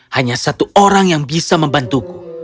hanya satu orang yang bisa membantuku